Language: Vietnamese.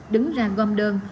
đứng ra gom đơn